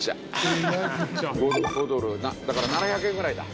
５ドルだから７００円ぐらいだ。